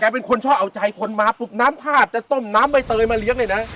เป็นคนชอบเอาใจคนมาปุ๊บน้ำทาดจะต้มน้ำใบเตยมาเลี้ยงเลยนะ